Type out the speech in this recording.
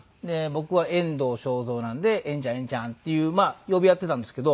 僕は遠藤章造なんで「遠ちゃん遠ちゃん」っていう呼び合ってたんですけど。